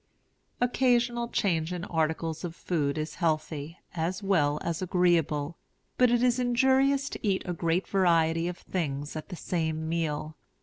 Occasional change in articles of food is healthy, as well as agreeable; but it is injurious to eat a great variety of things at the same meal.